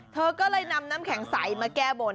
เธอก็เลยนำน้ำแข็งใสมาแก้บน